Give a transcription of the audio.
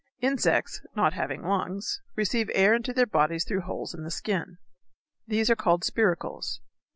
Insects, not having lungs, receive air into their bodies through holes in the skin. These are called spiracles.